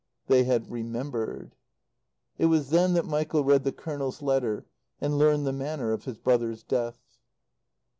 They had remembered. It was then that Michael read the Colonel's letter, and learned the manner of his brother's death